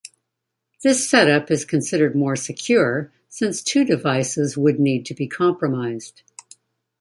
This setup is considered more secure since two devices would need to be compromised.